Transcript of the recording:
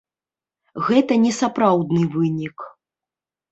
Гэта не сапраўдны вынік.